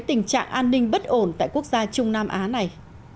tình trạng an ninh bất ổn tại quốc gia trung nam á này